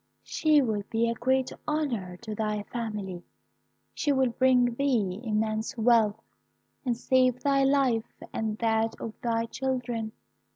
'She will be a great honour to thy family, she will bring thee immense wealth, and save thy life and that of all thy children.